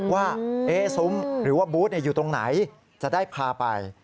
ซุ้มหรือว่าบูธอยู่ตรงไหนจะได้พาไป